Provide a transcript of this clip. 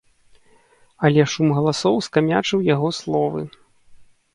Але шум галасоў скамячыў яго словы.